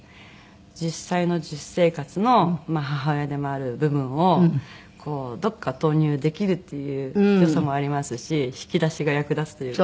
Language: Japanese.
実際の実生活の母親でもある部分をどこか投入できるっていう良さもありますし引き出しが役立つというか。